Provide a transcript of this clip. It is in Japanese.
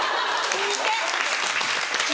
聞いて。